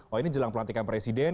oh ini jelang pelantikan presiden